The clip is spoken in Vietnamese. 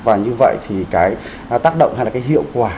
và như vậy thì cái tác động hay là cái hiệu quả